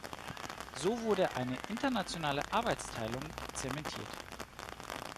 So wurde eine internationale Arbeitsteilung zementiert.